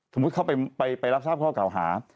สมมุติเขาไปรับทราบข้อเกล่าหา